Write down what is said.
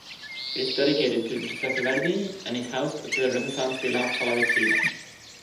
It is dedicated to Giuseppe Verdi and is housed at the Renaissance Villa Pallavicino.